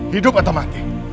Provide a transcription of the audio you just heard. hidup atau mati